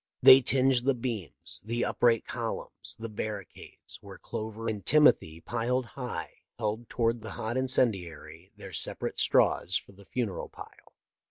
They tinged the beams, the upright columns, the barricades, where clover and timothy piled high held toward THE LIFE OF LINCOLN. S75 the hot incendiary their separate straws for the funeral pile.